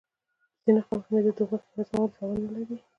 د ځینې خلکو معده د غوښې هضمولو توان نه لري.